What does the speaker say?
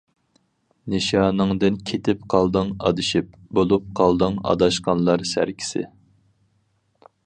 نىشانىڭدىن كېتىپ قالدىڭ ئادىشىپ، بولۇپ قالدىڭ ئاداشقانلار سەركىسى.